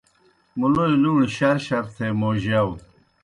مُلوئے لُوݨیْ شرشر تھے موجِیاؤ۔